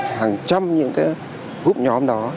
hàng trăm những cái hút nhóm đó